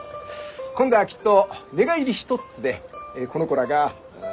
今度はきっと寝返りひとっつでこの子らが「嫁入りだ」